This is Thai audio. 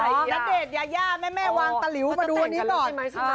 อ๋อณเดชน์ยาย่าแม่แม่วางตะลิ้วมาดูวันนี้ต่อ